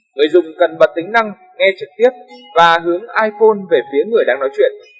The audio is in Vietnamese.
người dùng cần bật tính năng nghe trực tiếp và hướng iphone về phía người đang nói chuyện